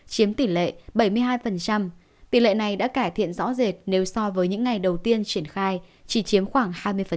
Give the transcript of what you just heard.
chiếm tỷ lệ bảy mươi hai tỷ lệ này đã cải thiện rõ rệt nếu so với những ngày đầu tiên triển khai chỉ chiếm khoảng hai mươi